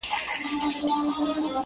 • ډېر پخوا چي نه موټر او نه سایکل وو -